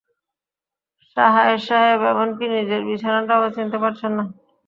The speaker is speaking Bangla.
সাহায় সাহেব এমনকি নিজের বিছানাটাও চিনতে পারছেন না।